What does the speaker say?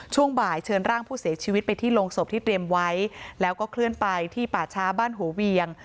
ช่วงบ่ายเชิญร่างผู้เสียชีวิตไปที่โรงศพที่เตรียมไว้แล้วก็เคลื่อนไปที่ป่าช้าบ้านหัวเวียง